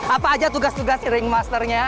apa aja tugas tugas ringmasternya